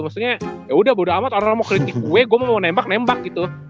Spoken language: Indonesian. maksudnya yaudah bodo amat orang orang mau kritik gue gue mau nembak nembak gitu